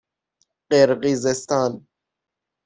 قرقیزستان